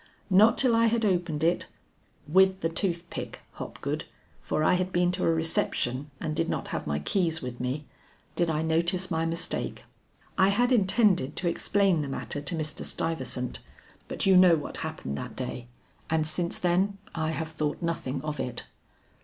Not till I had opened it with the tooth pick, Hopgood, for I had been to a reception and did not have my keys with me did I notice my mistake. I had intended to explain the matter to Mr. Stuyvesant, but you know what happened that day, and since then I have thought nothing of it."